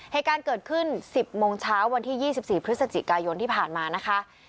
เหตุการณ์เกิดขึ้น๑๐โมงเช้าวันที่๒๔พฤศจิกายนที่ผ่านมานะคะ